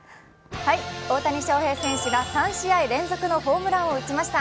大谷翔平選手が３試合連続のホームランを打ちました。